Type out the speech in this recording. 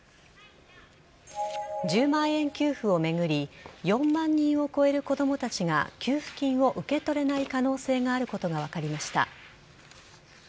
１０万円給付を巡り４万人を超える子供たちが給付金を受け取れない可能性があることが分かりました。